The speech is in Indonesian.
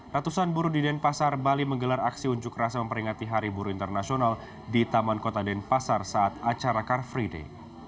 ratusan buruh di denpasar bali menggelar aksi unjuk rasa memperingati hari buruh internasional di taman kota denpasar saat acara car free day